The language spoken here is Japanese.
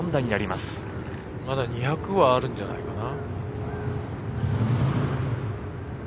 まだ２００はあるんじゃないかな。